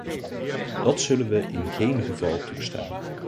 Dat zullen we in geen geval toestaan.